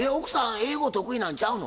英語得意なんちゃうの？